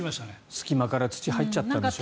隙間から土が入っちゃったんでしょうね。